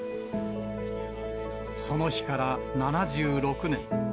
その日から７６年。